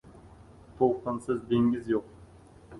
• To‘lqinsiz dengiz yo‘q.